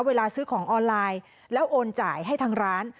เวลาซื้อของออนไลน์แล้วโอนจ่ายให้ทางร้าน